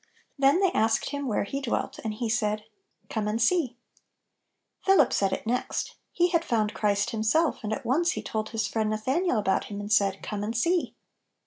Then they asked Him where He dwelt, and He said, " Come and see !" Philip said it next He had found Christ himself, and at once he told his friend Nathanael about Him, and said, " Come and see